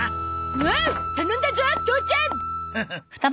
おお頼んだゾ父ちゃん！